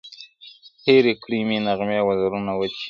هیري کړي مو نغمې وزرونه وچ دي -